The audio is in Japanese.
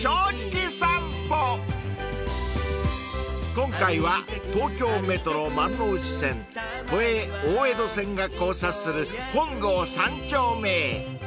［今回は東京メトロ丸ノ内線都営大江戸線が交差する本郷三丁目へ］